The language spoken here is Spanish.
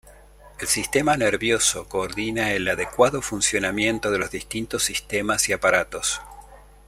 El sistema nervioso coordina el adecuado funcionamiento de los distintos sistemas y aparatos.